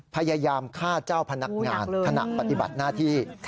พยายามฆ่าเจ้าพนักงานขณะปฏิบัติหน้าที่